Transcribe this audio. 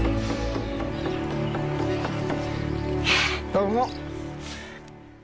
どうも。